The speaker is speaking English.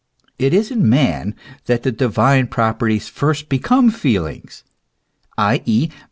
It is in man that the divine properties first become feelings, i.e.